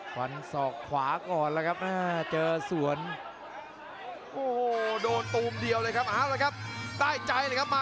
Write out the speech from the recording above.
แก่ขวามาตีเลยครับเพชรศัลชัย